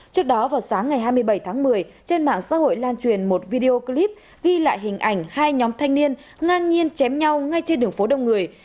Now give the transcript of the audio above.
trước đó vào sáng ngày hai mươi bảy tháng một mươi trên mạng xã hội lan truyền một video clip ghi lại hình ảnh hai nhóm thanh niên ngang nhiên chém nhau ngay trên đường phố đông người